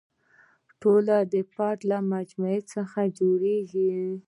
ټولنه د فرد له مجموعې څخه جوړېږي.